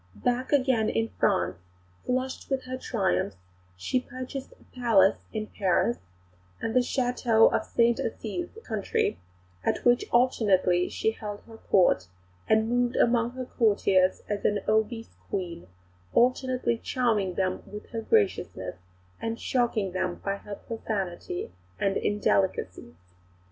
Back again in France, flushed with her triumphs, she purchased a Palace in Paris, and the château of Sainte Assize in the country, at which alternately she held her Court, and moved among her courtiers an obese Queen, alternately charming them with her graciousness and shocking them by her profanity and indelicacies.